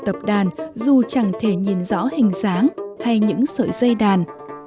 tập đàn dù chẳng thể nhìn rõ hình dáng hay những sợi dây đàn